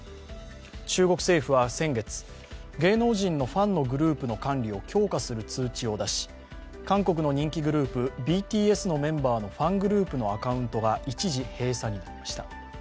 中国政府は先月、芸能人のファンのグループの管理を強化する通知を出し韓国の人気グループＢＴＳのメンバーのファングループのアカウントが一時閉鎖になりました。